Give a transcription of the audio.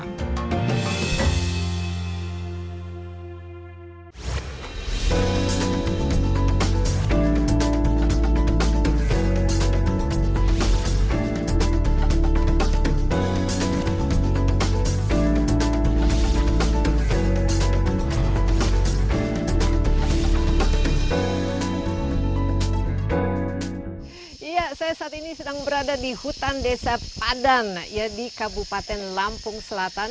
pada saat ini saya sedang berada di hutan desa padan di kabupaten lampung selatan